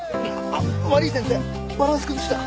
悪い先生バランス崩した。